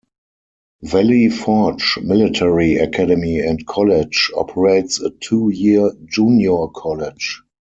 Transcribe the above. Valley Forge Military Academy and College operates a two-year junior college.